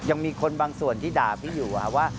ยังมีคนบางส่วนที่ด่าพี่อยู่ว่า